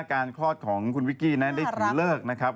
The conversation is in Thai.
การคลอดของคุณวิกกี้นะฮะได้ถึงเลิกนะครับ